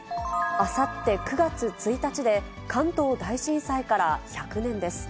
あさって９月１日で、関東大震災から１００年です。